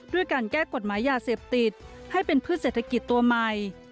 ด้วยการแก้กฎหมายยาเสพติดให้เป็นพืชเศรษฐกิจตัวใหม่